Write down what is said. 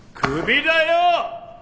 クビだよ！